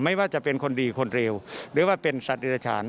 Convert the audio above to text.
ไม่ว่าจะเป็นคนดีคนเร็วหรือว่าเป็นสัตว์อิรฉาน